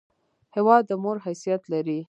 هېواد د مور حیثیت لري!